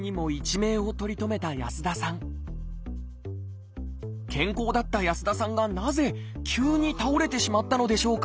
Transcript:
健康だった安田さんがなぜ急に倒れてしまったのでしょうか？